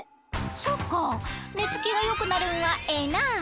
そっかねつきがよくなるんはええな。